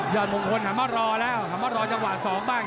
ยอดมงคลหมารอแล้วหมารอจังหวะ๒บ้าง